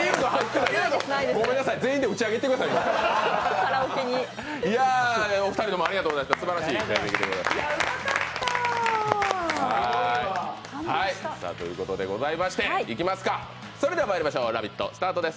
全員で打ち上げ行ってください。ということでございましてそれではまいりましょう、「ラヴィット！」スタートです。